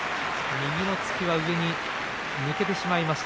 右の突きが上に抜けてしまいました。